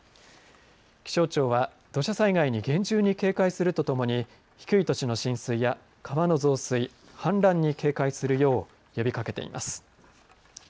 気象庁は土砂災害に厳重に警戒するとともに低い土地の浸水や川の増水氾濫に警戒するよう呼びかけています。